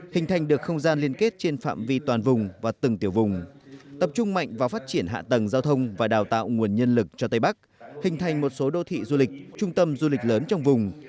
hình thành được không gian liên kết trên phạm vi toàn vùng và từng tiểu vùng tập trung mạnh vào phát triển hạ tầng giao thông và đào tạo nguồn nhân lực cho tây bắc hình thành một số đô thị du lịch trung tâm du lịch lớn trong vùng